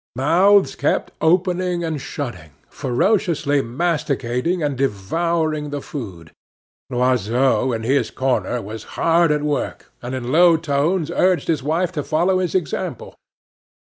Mouths kept opening and shutting, ferociously masticating and devouring the food. Loiseau, in his corner, was hard at work, and in low tones urged his wife to follow his example.